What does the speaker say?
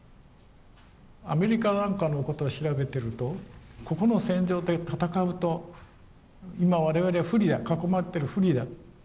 アメリカなんかのことを調べてるとここの戦場で戦うと今我々は不利だ囲まれてる不利だ。